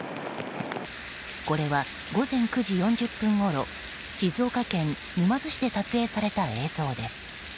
これは午前９時４０分ごろ静岡県沼津市で撮影された映像です。